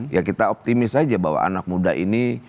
ya kita optimis saja bahwa anak muda ini